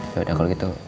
yaudah kalau gitu